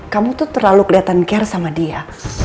kamu tuh terlalu kelihatan care sama dia